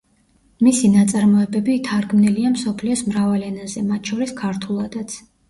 მისი ნაწარმოებები თარგმნილია მსოფლიოს მრავალ ენაზე, მათ შორის ქართულადაც.